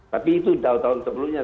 tapi itu tahun tahun sebelumnya